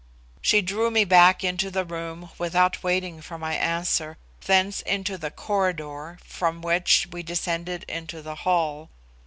She drew me back into the room without waiting for my answer, thence into the corridor, from which we descended into the hall.